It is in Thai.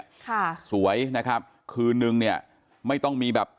ค่ะสวยนะครับคืนนึงเนี่ยไม่ต้องมีแบบ